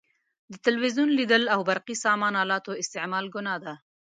د تلویزیون لیدل او برقي سامان الاتو استعمال ګناه ده.